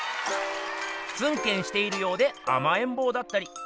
ツンケンしているようであまえんぼうだったり。